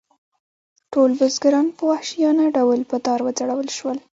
ټول بزګران په وحشیانه ډول په دار وځړول شول.